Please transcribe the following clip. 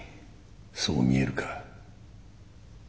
そう見えるか？